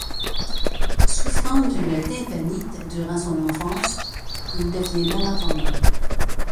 Souffrant d’une tympanite durant son enfance, il devient malentendant.